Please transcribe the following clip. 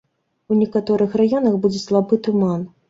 У некаторых раёнах будзе слабы туман.